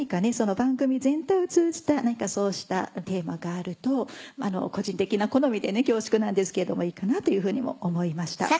番組全体を通じたそうしたテーマがあると個人的な好みで恐縮なんですけれどもいいかなというふうにも思いました。